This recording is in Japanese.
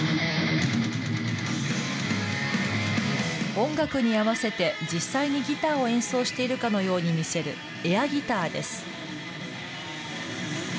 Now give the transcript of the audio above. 音楽に合わせて実際にギターを演奏しているかのように見せるエアギターです。